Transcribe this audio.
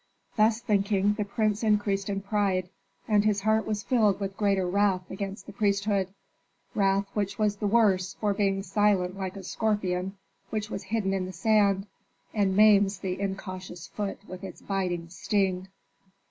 Thus thinking, the prince increased in pride, and his heart was filled with greater wrath against the priesthood. Wrath which was the worse for being silent like a scorpion which has hidden in the sand and maims the incautious foot with its biting sting.